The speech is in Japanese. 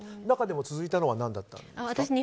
中でも続いたのは何だったんですか？